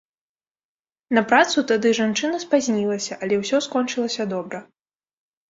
На працу тады жанчына спазнілася, але ўсё скончылася добра.